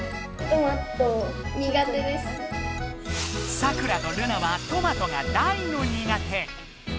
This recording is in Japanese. サクラとルナはトマトが大の苦手。